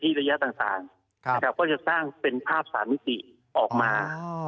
ตรงนี้ก็จะตั้งเป็นภาพสามิสิออกมา